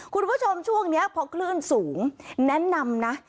คุณผู้ชมช่วงนี้พอคลื่นสูงแนะนำนะ